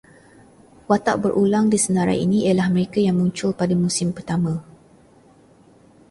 Watak berulang di senarai ini ialah mereka yang muncul pada musim pertama